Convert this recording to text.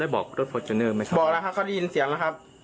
บอกแล้วครับเขาได้ยินเสียงแล้วครับ